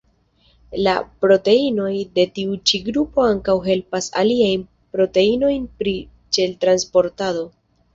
La proteinoj de tiu ĉi grupo ankaŭ helpas aliajn proteinojn pri ĉel-transportado.